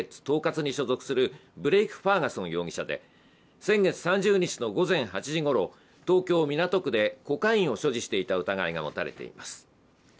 東葛に所属するブレイク・ファーガソン容疑者で、先月３０日の午前８時ごろ東京・港区でコカインを所持していた疑いが持たれています。